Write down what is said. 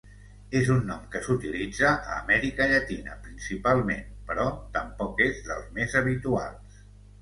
És un nom que s'utilitza a Amèrica llatina principalment, però tampoc és dels més habituals.